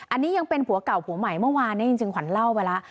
อันนี้ยังเป็นผัวเก่าผัวใหม่เมื่อวานนี้จริงขวัญเล่าไปแล้ว